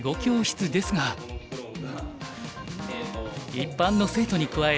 一般の生徒に加え